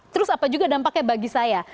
terus apa juga dampaknya bagi saya